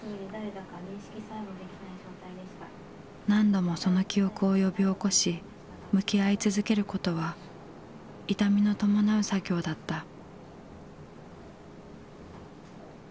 何度もその記憶を呼び起こし向き合い続けることは痛みの伴う作業だった。